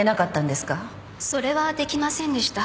それはできませんでした。